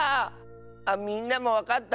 みんなもわかった？